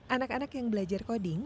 anak anak yang belajar coding